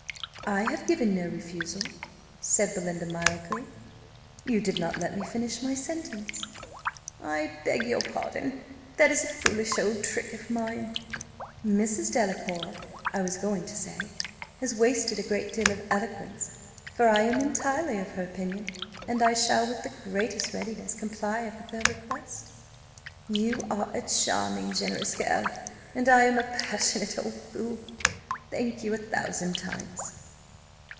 "I have given no refusal," said Belinda, mildly: "you did not let me finish my sentence." "I beg pardon; that is a foolish old trick of mine." "Mrs. Delacour, I was going to say, has wasted a great deal of eloquence: for I am entirely of her opinion, and I shall, with the greatest readiness, comply with her request." "You are a charming, generous girl, and I am a passionate old fool thank you a thousand times."